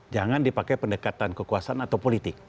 jangan dipakai pendekatan kekuasaan atau politik